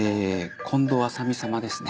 近藤麻美様ですね？